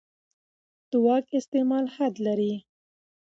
د واک استعمال حد لري